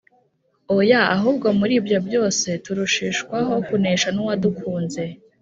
Oya, ahubwo muri ibyo byose turushishwaho kunesha n'uwadukunze: